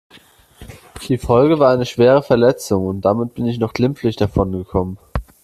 Die Folge war eine schwere Verletzung und damit bin ich noch glimpflich davon gekommen.